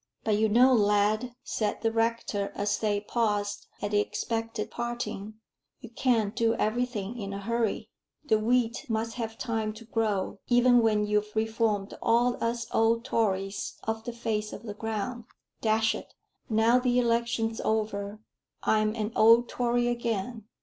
"But you know, lad," said the rector, as they paused at the expected parting, "you can't do everything in a hurry. The wheat must have time to grow, even when you've reformed all us old Tories off the face of the ground. Dash it! now the election's over, I'm an old Tory again.